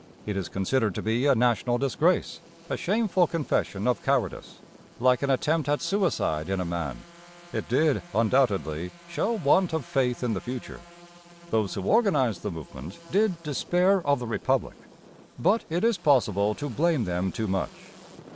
It is considered to be a national disgrace, a shameful confession of cowardice, like an attempt at suicide in a man. It did undoubtedly show want of faith in the future. Those who organized the movement did 'despair of the republic.' But it is possible to blame them too much.